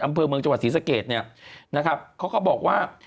อำเภอเมืองจังหวัดศรีสะเกดเนี่ยนะครับเขาก็บอกว่า